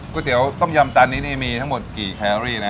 เตี๋ยวต้มยำจานนี้นี่มีทั้งหมดกี่แครรี่นะ